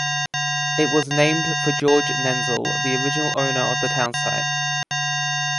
It was named for George Nenzel, the original owner of the town site.